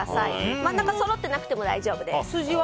真ん中がそろってなくても大丈夫です。